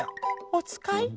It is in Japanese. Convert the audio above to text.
おつかい？